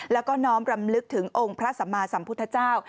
แล้วก็น้อมรำลึกถึงองค์พระสัมมาสัมพุทธเจ้า